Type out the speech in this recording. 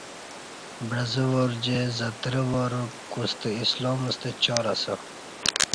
بعزہ وار جی زترہ وار کوستہ اسلام ستہ چاراسہ